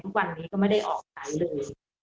ทุกวันนี้ก็ไม่ได้ออกไปเลย